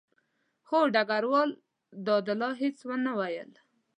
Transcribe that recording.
خو ډګروال دادالله هېڅ ونه ویل.